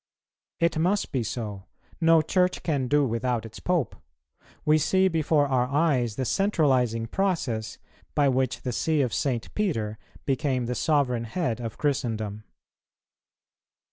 It must be so; no Church can do without its Pope. We see before our eyes the centralizing process by which the See of St. Peter became the Sovereign Head of Christendom.